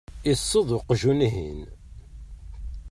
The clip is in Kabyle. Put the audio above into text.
iṣṣeḍ uqjun-ihin.